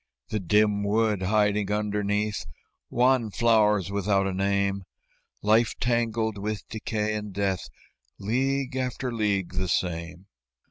The dim wood hiding underneath Wan flowers without a name; Life tangled with decay and death, League after league the same.